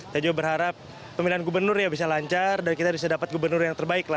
saya juga berharap pemilihan gubernur ya bisa lancar dan kita bisa dapat gubernur yang terbaik lah